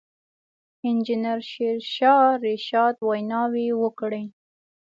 انجنیر شېرشاه رشاد ویناوې وکړې.